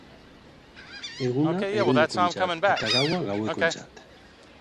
Eguna egunekoentzat eta gaua gauekoentzat.